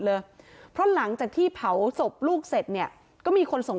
เลยเพราะหลังจากที่เผาศพลูกเสร็จเนี่ยก็มีคนส่ง